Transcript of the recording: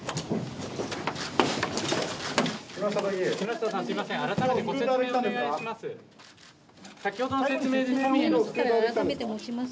木下さん、すみません、改めてご説明お願いします。